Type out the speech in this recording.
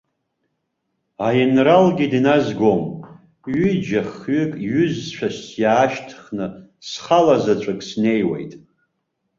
Аинралгьы дназгом, ҩыџьа-хҩык ҩызцәас иаашьҭыхны, схалазаҵәык снеиуеит.